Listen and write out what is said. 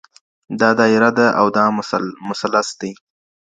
دا دايره ده او دا مثلث دئ.